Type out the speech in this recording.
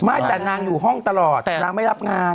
ไม่แต่นางอยู่ห้องตลอดนางไม่รับงาน